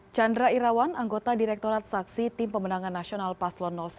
chandra irawan anggota direktorat saksi tim pemenangan nasional paslon satu